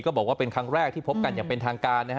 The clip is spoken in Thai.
บอกว่าเป็นครั้งแรกที่พบกันอย่างเป็นทางการนะฮะ